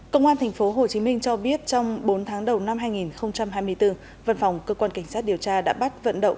công an tp hcm cho biết trong bốn tháng đầu năm hai nghìn hai mươi bốn văn phòng cơ quan cảnh sát điều tra đã bắt vận động